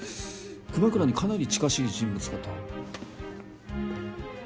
熊倉にかなり近しい人物かと。